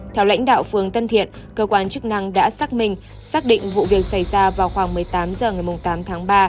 theo lãnh đạo phường tân thiện cơ quan chức năng đã xác minh xác định vụ việc xảy ra vào khoảng một mươi tám h ngày tám tháng ba